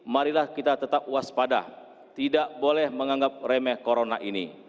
marilah kita tetap waspada tidak boleh menganggap remeh corona ini